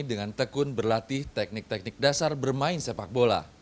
dengan tekun berlatih teknik teknik dasar bermain sepak bola